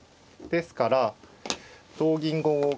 ですから同銀５五角。